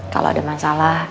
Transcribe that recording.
kalo ada masalah